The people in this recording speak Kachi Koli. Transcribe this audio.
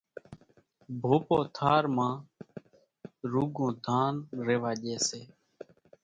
ڀوپو ٿار مان روڳون ڌان ريوا ڄي سي۔